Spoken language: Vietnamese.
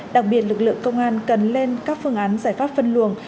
đặc biệt lực lượng công an cần lên các phương án giải pháp phân luồng